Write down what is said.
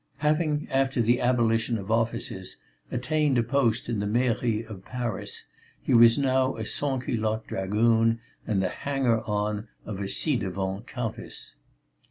Having, after the abolition of offices, attained a post in the Mairie of Paris, he was now a sansculotte dragoon and the hanger on of a ci devant Countess.